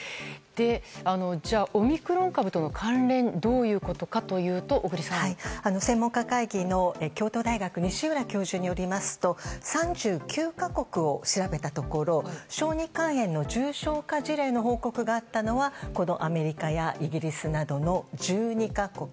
じゃあ、オミクロン株との関連どういうことかというと小栗さん。専門家会議の京都大学の西浦教授によりますと３９か国を調べたところ小児肝炎の重症化事例の報告があったのはアメリカやイギリスなどの１２か国。